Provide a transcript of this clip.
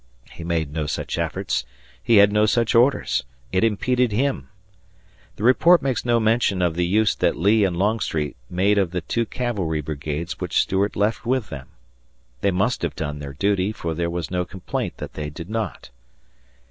He made no such efforts he had no such orders it impeded him. The report makes no mention of the use that Lee and Longstreet made of the two cavalry brigades which Stuart left with them. They must have done their duty, for there was no complaint that they did not.